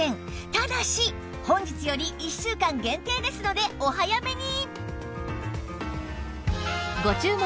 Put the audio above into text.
ただし本日より１週間限定ですのでお早めに！